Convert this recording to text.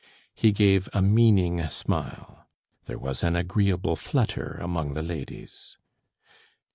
He gave a meaning smile. There was an agreeable flutter among the ladies.